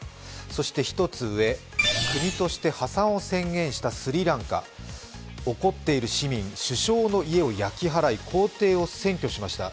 そして１つ上、国として破産を宣言したスリランカ怒っている市民、首相の家を焼き払い公邸を占拠しました。